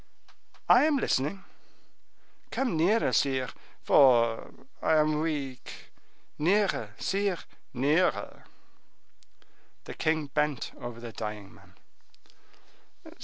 "I am listening." "Come nearer, sire, for I am weak!—nearer, sire, nearer!" The king bent over the dying man.